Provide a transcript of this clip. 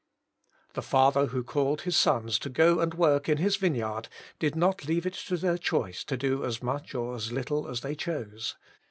The father who called his sons to go and work in his vineyard did not leave it to their choice to do as much or as little as they chose.